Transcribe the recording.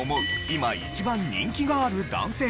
今一番人気がある男性